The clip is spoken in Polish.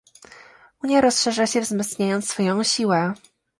Unia rozszerza się, wzmacniając swoją siłę